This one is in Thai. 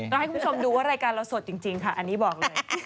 ให้คุณผู้ชมดูว่ารายการเราสดจริงค่ะอันนี้บอกเลย